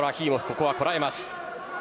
ここはこらえます。